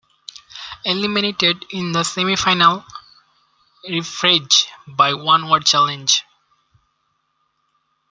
Eliminated in the semi-final repechage by "OneWorld Challenge".